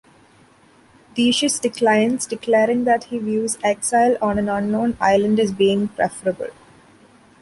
Decius declines, declaring that he views exile on an unknown island as being preferable.